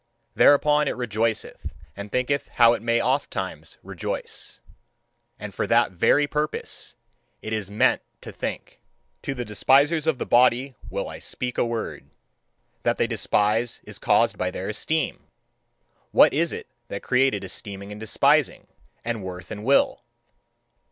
Thereupon it rejoiceth, and thinketh how it may ofttimes rejoice and for that very purpose it IS MEANT to think. To the despisers of the body will I speak a word. That they despise is caused by their esteem. What is it that created esteeming and despising and worth and will?